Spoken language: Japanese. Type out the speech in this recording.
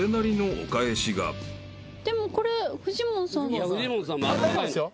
でもこれフジモンさん。